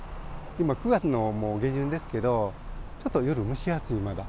今、９月のもう下旬ですけど、ちょっと夜蒸し暑い、真だ。